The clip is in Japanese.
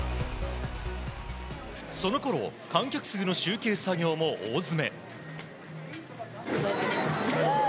そのころ、観客数の集計作業も大詰め。